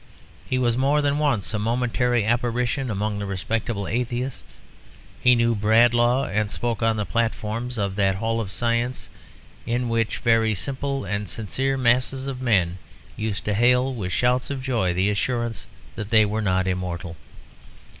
He was more than once a momentary apparition among the respectable atheists. He knew Bradlaugh and spoke on the platforms of that Hall of Science in which very simple and sincere masses of men used to hail with shouts of joy the assurance that they were not immortal.